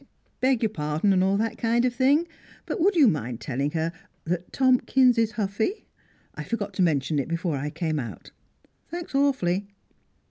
"Beg your pardon and all that kind of thing, but would you mind telling her that Tomkins is huffy? I forgot to mention it before I came out. Thanks, awfully."